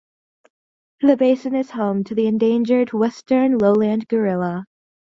The basin is home to the endangered western lowland gorilla.